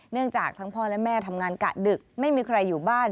จากทั้งพ่อและแม่ทำงานกะดึกไม่มีใครอยู่บ้าน